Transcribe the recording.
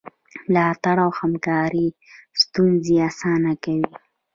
ملاتړ او همکاري ستونزې اسانه کوي.